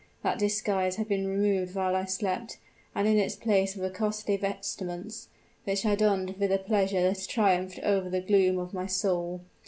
That disguise had been removed while I slept, and in its place were costly vestments, which I donned with a pleasure that triumphed over the gloom of my soul.